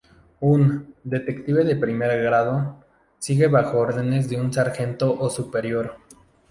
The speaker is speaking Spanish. Un "detective de primer grado" sigue bajo órdenes de un sargento o superior.